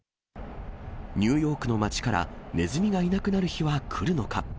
ニューヨークの街からネズミがいなくなる日は来るのか。